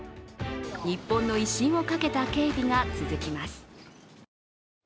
日本の威信をかけた警備が続きます。